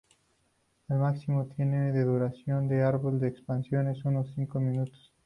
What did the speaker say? El máximo tiempo de duración del árbol de expansión es de cinco minutos.